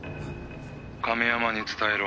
「亀山に伝えろ。